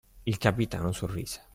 Il capitano sorrise.